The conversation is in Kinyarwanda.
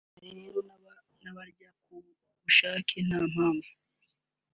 Hari rero n’abarya ku bushake nta mpamvu